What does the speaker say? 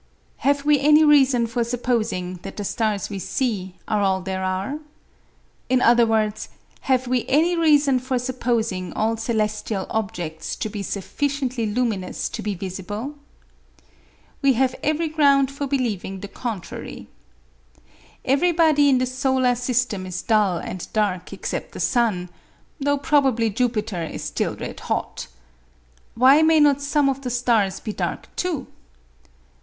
Have we any reason for supposing that the stars we see are all there are? In other words, have we any reason for supposing all celestial objects to be sufficiently luminous to be visible? We have every ground for believing the contrary. Every body in the solar system is dull and dark except the sun, though probably Jupiter is still red hot. Why may not some of the stars be dark too?